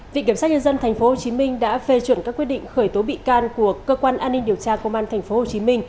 viện kiểm sát nhân dân tp hcm đã phê chuẩn các quyết định khởi tố bị can của cơ quan an ninh điều tra công an tp hcm